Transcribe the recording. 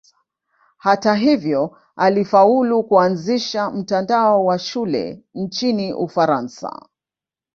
Hata hivyo alifaulu kuanzisha mtandao wa shule nchini Ufaransa.